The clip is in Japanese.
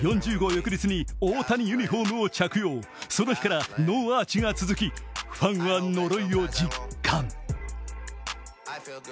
翌日に大谷ユニフォームを着用その日からノーアーチが続きファンは呪いを実感。